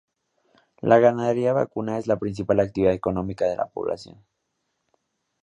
La ganadería vacuna es la principal actividad económica de la población.